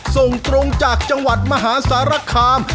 ส่งตรงจากจังหวัดมหาสารคาม